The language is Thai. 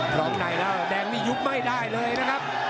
ล็อกในแล้วแดงนี่ยุบไม่ได้เลยนะครับ